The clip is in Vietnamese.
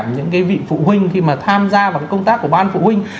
những vị phụ huynh khi mà tham gia vào công tác của ban phụ huynh